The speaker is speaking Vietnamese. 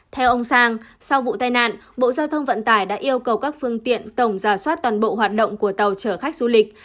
theo ông sang sau vụ tai nạn bộ giao thông vận tải đã yêu cầu các phương tiện tổng giả soát toàn bộ hoạt động của tàu chở khách du lịch